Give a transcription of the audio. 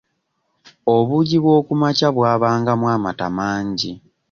Obuugi bw'okumakya bwabangamu amata mangi.